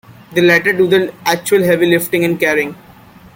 The latter do the actual heavy lifting and carrying.